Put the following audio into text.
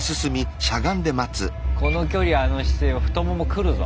この距離あの姿勢は太ももくるぞ。